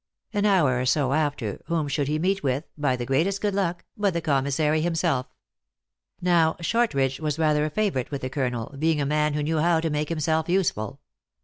An hour or so after, whom should he meet with, by the greatest good luck, but the commissary himself. Now, Short ridge was rather a favorite with the colonel, being a man who knew how to make himself useful.